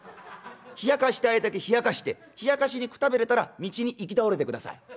ひやかしたいだけひやかしてひやかしにくたびれたら道に行き倒れてください。